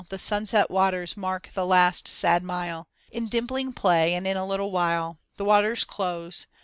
The sunset waters mark the last sad mile In dimpling play and in a little while The waters close.